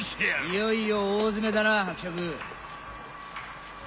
いよいよ大詰めだな伯爵。